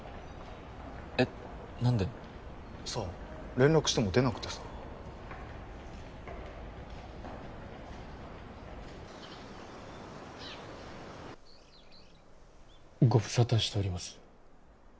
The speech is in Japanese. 連絡しても出なくてさご無沙汰しております